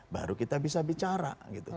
baru kita bisa bicara